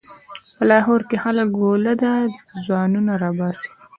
په لاهور کې هله ګوله ده؛ ځانونه راباسئ.